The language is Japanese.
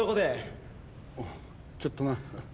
ああちょっとな。